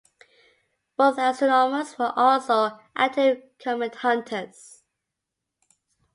Both astronomers are also active comet-hunters.